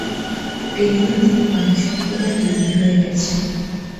Telepathic মানব সম্প্রদায় তৈরি হয়ে গেছে।